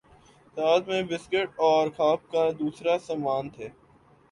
ساتھ میں بسکٹ اور کھا پ کا دوسرا سامان تھے